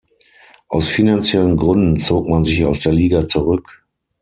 Aus finanziellen Gründen zog man sich aus der Liga zurück.